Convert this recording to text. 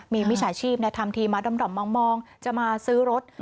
มีมิจฉาชีพทำทีมาด่อมมองจะมาซื้อรถ